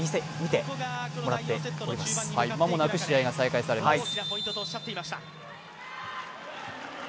間もなく試合が再開されます。